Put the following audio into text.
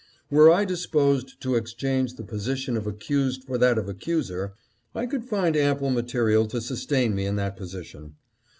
Were I disposed to exchange the position of accused for that of accuser, I could find ample mate rial to sustain me in that position.